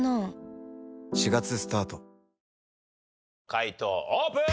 解答オープン。